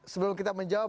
sebelum kita menjawab